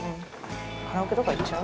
カラオケとか行っちゃう？